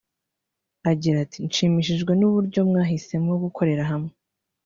Agira ati “Nshimishijwe n’uburyo mwahisemo gukorera hamwe